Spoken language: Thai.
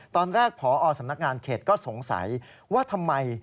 ตอนแรกพอสำนักงานเขตก็สงสัยว่าทำไม